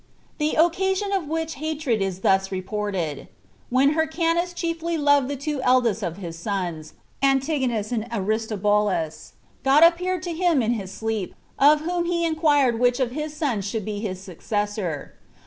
32 The occasion of which hatred is thus reported: when Hyrcanus chiefly loved the two eldest of his sons, Antigonus and Aristobulus, God appeared to him in his sleep, of whom he inquired which of his sons should be his successor.